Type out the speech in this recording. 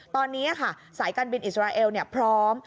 ตอนนี้ค่ะสายการบินอิสราเอลพร้อม